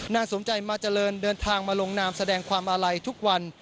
นายสมใจมาเจริญเดินทางมาลงนามแสดงความอาลัยทุกวัน